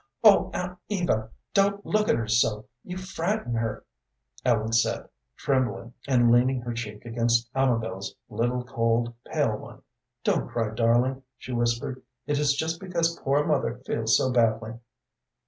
"Oh, Aunt Eva, don't look at her so, you frighten her," Ellen said, trembling, and leaning her cheek against Amabel's little, cold, pale one. "Don't cry, darling," she whispered. "It is just because poor mother feels so badly."